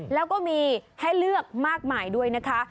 แล้วก็มีให้เลือกมากมายด้วยนะคะ